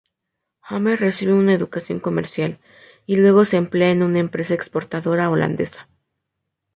Hamer recibe una educación comercial, y luego se emplea en una empresa exportadora holandesa.